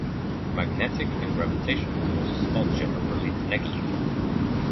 Magnetic and gravitational forces are generally negligible.